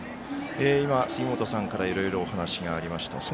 今、杉本さんからいろいろお話がありました。